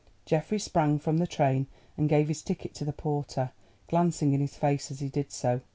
Geoffrey sprang from the train, and gave his ticket to the porter, glancing in his face as he did so.